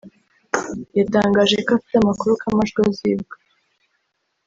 yatangaje ko afite amakuru ko amajwi azibwa